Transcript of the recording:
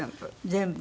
全部？